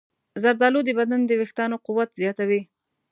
زردالو د بدن د ویښتانو قوت زیاتوي.